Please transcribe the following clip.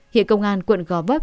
hiện công an quận gò vấp